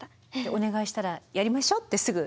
お願いしたら「やりましょ」ってすぐ。